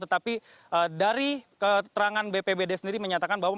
tetapi dari keterangan bpbd sendiri menyatakan bahwa